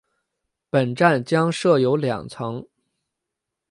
本站将设有两层。